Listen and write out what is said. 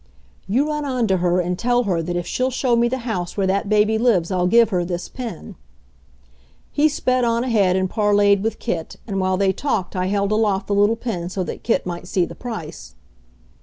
"You run on to her and tell her that if she'll show me the house where that baby lives I'll give her this pin." He sped on ahead and parleyed with Kit; and while they talked I held aloft the little pin so that Kit might see the price.